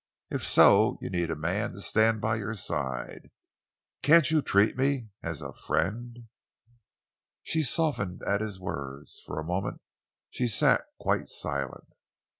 If so, you need a man to stand by your side. Can't you treat me as a friend?" She softened at his words. For a moment she sat quite silent.